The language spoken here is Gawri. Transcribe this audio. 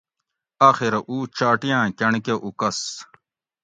آخیرہ او چاٹیاں کنڑ کہ اوکس